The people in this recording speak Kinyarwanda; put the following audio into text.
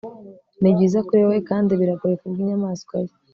Nibyiza kuri wewe kandi biragoye kubwinyamaswa ye